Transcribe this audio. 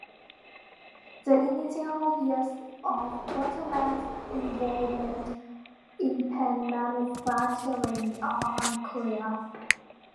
The initial years of Waterman's involvement in pen manufacturing are unclear.